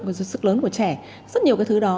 và sức lớn của trẻ rất nhiều cái thứ đó